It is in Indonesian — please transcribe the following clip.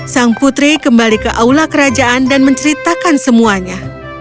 sang putri kembali ke aula kerajaan dan menceritakan semuanya